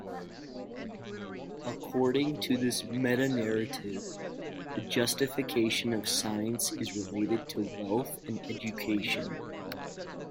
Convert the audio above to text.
According to this metanarrative, the justification of science is related to wealth and education.